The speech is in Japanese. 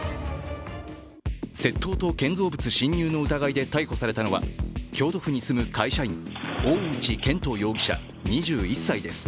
窃盗と建造物侵入の疑いで逮捕されたのは京都府に住む会社員大内拳斗容疑者２１歳です。